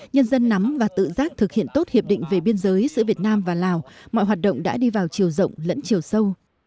nhân dân nắm và tự giác thực hiện tốt hiệp định về biên giới giữa việt nam và lào mọi hoạt động đã đi vào chiều rộng lẫn chiều sâu